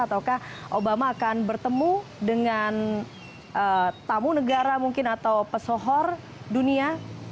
ataukah obama akan bertemu dengan tamu negara mungkin atau pesohor dunia